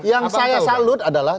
yang saya salut adalah